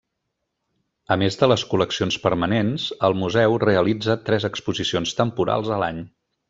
A més de les col·leccions permanents, el museu realitza tres exposicions temporals a l'any.